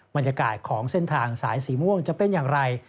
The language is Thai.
บรรยากาศของเส้นทางสายสีม่วงจะเป็นอย่างไร